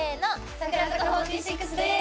櫻坂４６です！